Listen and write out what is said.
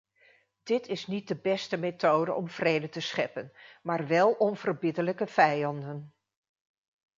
Dit is niet de beste methode om vrede te scheppen, maar wel onverbiddelijke vijanden.